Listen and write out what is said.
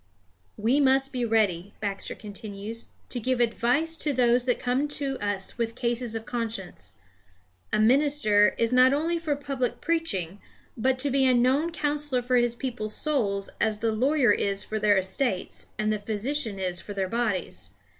"We must be ready," Baxter continues, "to give advice to those that come to us with cases of conscience. A minister is not only for public preaching, but to be a known counsellor for his people's souls as the lawyer is for their estates, and the physician is for their bodies.